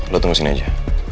lo tunggu sini aja